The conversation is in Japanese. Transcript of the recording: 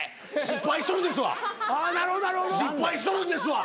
失敗しとるんですわ。